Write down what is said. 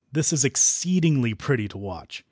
This is exceedingly pretty to watch.